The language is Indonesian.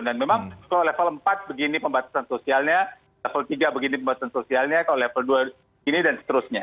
dan memang kalau level empat begini pembatasan sosialnya level tiga begini pembatasan sosialnya kalau level dua begini dan seterusnya